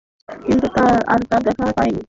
কিন্তু আর তাঁর দেখা পাইনি।